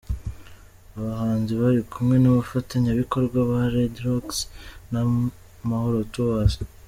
Abahanzi bari kumwe n'abafatanyabikorwa ba Red Rocks na Amahoro Tours.